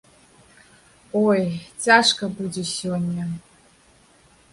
Ой, цяжка будзе сёння.